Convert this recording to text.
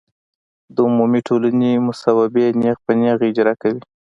د عمومي ټولنې مصوبې نېغ په نېغه اجرا کوي.